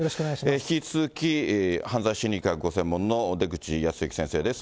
引き続き、犯罪心理学ご専門の出口保行先生です。